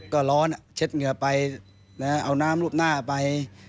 ก็ร้อนเช็ดเหงื่อไปเอาน้ำรูปหน้าไป